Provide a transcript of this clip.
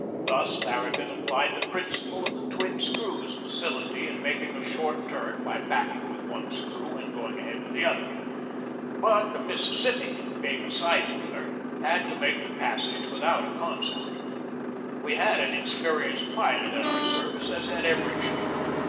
Thus Farragut applied the principle of the twin screws' facility in making a short turn by backing with one screw and going ahead with the other. But the Mississippi, being a side wheeler, had to make the passage with out a consort. We had an experienced pilot at our service, as had every ship.